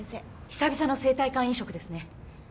久々の生体肝移植ですね。